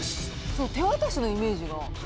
そう手渡しのイメージが。